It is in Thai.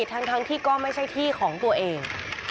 ทั้งที่ก็ไม่ใช่ที่ของตัวเอง